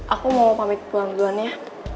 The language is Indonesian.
aku mau pamit pulang duluan ya